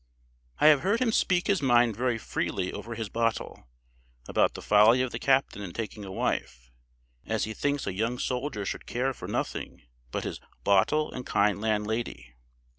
I have heard him speak his mind very freely over his bottle, about the folly of the captain in taking a wife; as he thinks a young soldier should care for nothing but his "bottle and kind landlady."